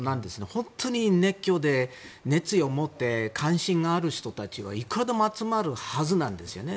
本当に熱狂で熱意を持って関心がある人たちはいくらでも集まるはずなんですよね。